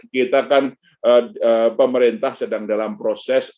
kita kan pemerintah sedang dalam proses